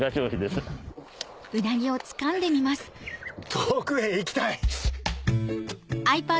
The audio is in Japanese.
遠くへ行きたい！